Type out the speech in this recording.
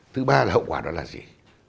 thứ ba là hậu quả đó là gì